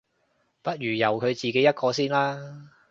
不如由佢自己一個先啦